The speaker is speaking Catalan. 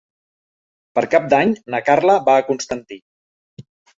Per Cap d'Any na Carla va a Constantí.